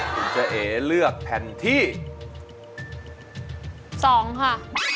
คุณเจ๊เอ๋เลือกแผ่นที่๒ค่ะ